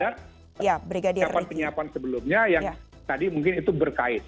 dan penyiapan penyiapan sebelumnya yang tadi mungkin itu berkait